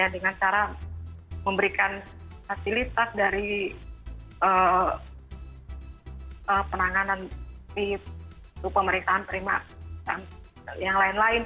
dengan cara memberikan fasilitas dari penanganan pemeriksaan yang lain lain